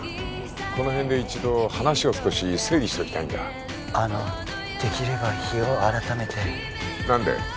この辺で一度話を少し整理しておきたいんだあのできれば日を改めて何で？